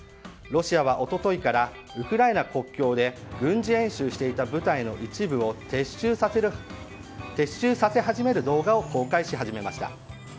ロシアは一昨日からウクライナ国境で軍事演習していた部隊の一部を撤収させ始める動画を公開し始めました。